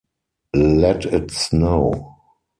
Let it snow.